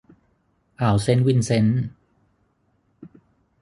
อ่าวเซนต์วินเซนต์